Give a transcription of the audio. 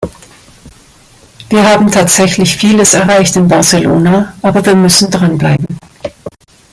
Wir haben tatsächlich vieles erreicht in Barcelona, aber wir müssen dranbleiben.